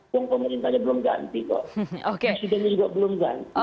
walaupun pemerintahnya belum ganti kok